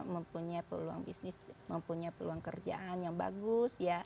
mempunyai peluang bisnis mempunyai peluang kerjaan yang bagus